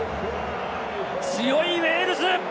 強いウェールズ！